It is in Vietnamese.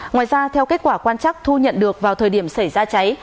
ngoài ra theo kết quả quan chắc thu nhận được vào thời điểm xảy ra cháy